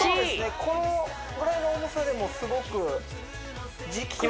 このぐらいの重さでもすごくききます？